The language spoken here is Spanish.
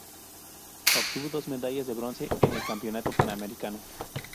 Obtuvo dos medallas de bronce en el Campeonato Panamericano.